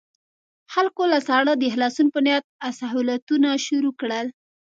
خلکو له ساړه د خلاصون په نيت اسخولاتونه شروع کړل.